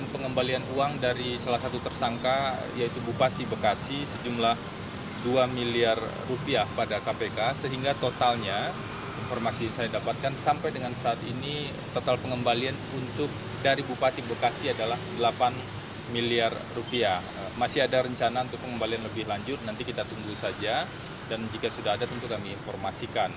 neneng hasanah kembali mengembalikan uang dugaan suap terkait izin pembangunan proyek meikarta